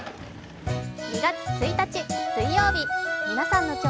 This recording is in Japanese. ２月１日水曜日。